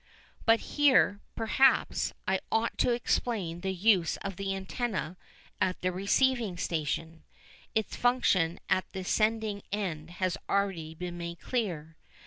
But here, perhaps, I ought to explain the use of the antenna at the receiving station its function at the sending end has already been made clear.